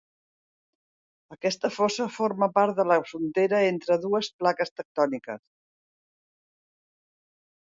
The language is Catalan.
Aquesta fossa forma part de la frontera entre dues plaques tectòniques.